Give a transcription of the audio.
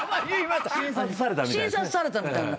診察されたみたいですね。